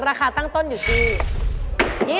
ตั้งต้นอยู่ที่